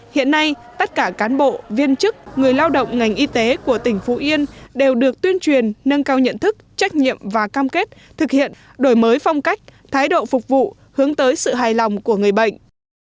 hiện nay tất cả cán bộ viên chức người lao động ngành y tế của tỉnh phú yên đều được tuyên truyền nâng cao nhận thức trách nhiệm và cam kết thực hiện đổi mới phong cách thái độ phục vụ hướng tới sự hài lòng của người bệnh